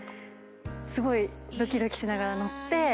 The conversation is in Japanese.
すごいドキドキしながら乗って。